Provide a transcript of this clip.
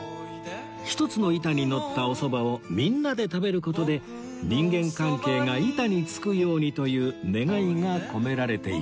１つの板にのったおそばをみんなで食べる事で人間関係が板に付くようにという願いが込められています